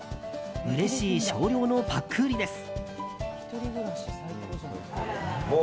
うれしい少量のパック売りです。